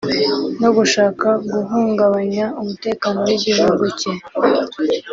no gushaka guhungabanya umutekano w’igihugu cye